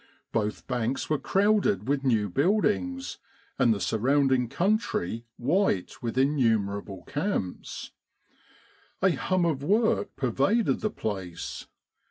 Both banks were crowded with new buildings, and the surrounding country white with innumerable camps. A hum of work pervaded the place.